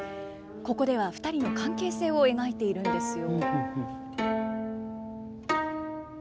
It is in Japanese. ここでは２人の関係性を描いているんですよ。